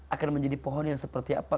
akan menjadi pohon yang seperti apa